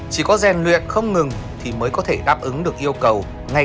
chỉ có rèn luyện không ngừng thì mới có thể đáp ứng